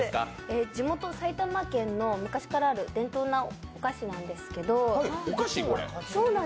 地元・埼玉県に昔からある伝統のお菓子なんです。